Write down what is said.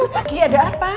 pak gia ada apa